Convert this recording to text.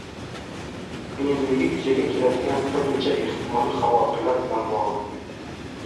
Qiyinligi yuzaga keladigan bir necha ehtimoliy xavotirlar bilan bog‘liq.